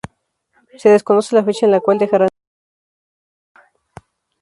Se desconoce la fecha en la cual dejarán de serlo.